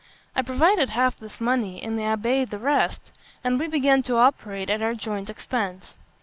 I provided half this money, and the abbé the rest; and we began to operate at our joint expense.